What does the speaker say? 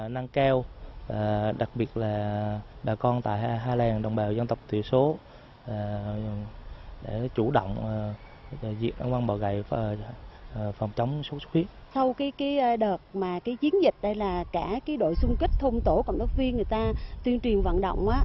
sau đợt chiến dịch cả đội sung kích thôn tổ cộng đốc viên tuyên truyền vận động